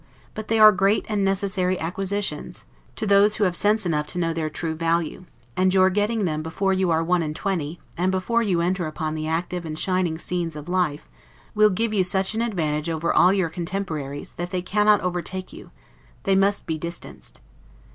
But they are great and necessary acquisitions, to those who have sense enough to know their true value; and your getting them before you are one and twenty, and before you enter upon the active and shining scene of life, will give you such an advantage over all your contemporaries, that they cannot overtake you: they must be distanced.